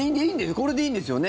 これでいいんですよね？